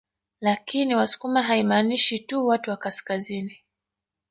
Lakini wasukuma haimaanishi tu watu wa kaskazini